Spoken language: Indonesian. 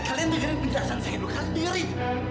jangan dengerin penjelasan saya lu kan dengerin